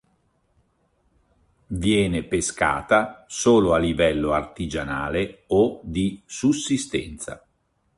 Viene pescata solo a livello artigianale o di sussistenza.